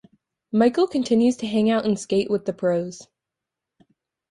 Michael continues to hangout and skate with the pros.